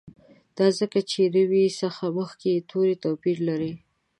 دا ځکه چې روي څخه مخکي یې توري توپیر لري.